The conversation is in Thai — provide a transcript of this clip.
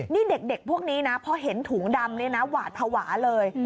นี่เด็กพวกนี้นะพอเห็นถุงดำเนี่ยนะหวาดภาวะเลย